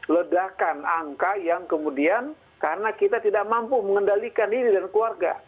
ledakan angka yang kemudian karena kita tidak mampu mengendalikan diri dan keluarga